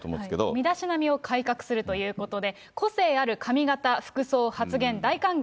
身だしなみを改革するということで、個性ある髪形、服装、発言、大歓迎！